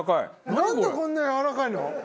なんでこんなやわらかいの？